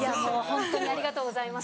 ホントにありがとうございます。